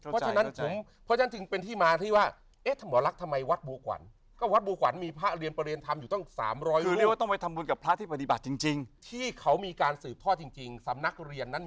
เข้าใจเพราะฉะนั้นถึงเป็นที่มาที่ว่าแอ๊ะหมอลักษณ์ทำไมวัดบูกวัลก็วัดบูกวัลมีพระเรียนเปอร์เรียนทำอยู่ต้อง๓๐๐บุญคือเรียกว่าต้องไปทำบุญกับพระที่ปฏิบัติจริงที่เขามีการสืบทอดจริงสำนักเรียนนั่นมี